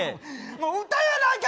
もう歌やないか！